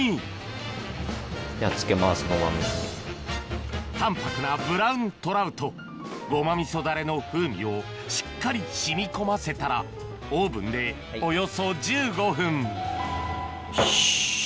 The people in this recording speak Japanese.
ここに淡泊なブラウントラウトゴマみそダレの風味をしっかり染み込ませたらオーブンでおよそ１５分よし。